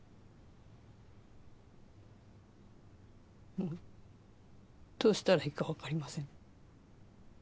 もうどうしたらいいか分かりません。